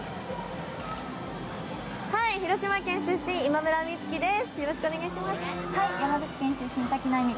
広島県出身、今村美月です。